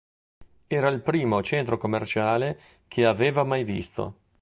Era il primo centro commerciale che aveva mai visto.